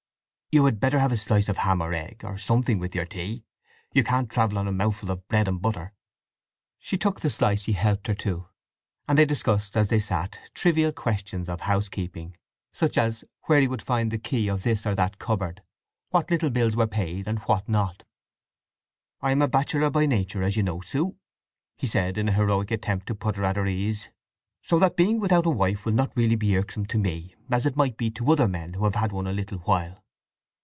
"You had better have a slice of ham or an egg, or something with your tea? You can't travel on a mouthful of bread and butter." She took the slice he helped her to; and they discussed as they sat trivial questions of housekeeping, such as where he would find the key of this or that cupboard, what little bills were paid, and what not. "I am a bachelor by nature, as you know, Sue," he said, in a heroic attempt to put her at her ease. "So that being without a wife will not really be irksome to me, as it might be to other men who have had one a little while.